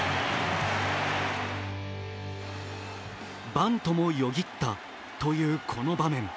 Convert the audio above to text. バントもよぎったというこの場面。